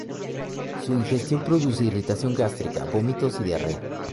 Su ingestión produce irritación gástrica, vómitos y diarrea.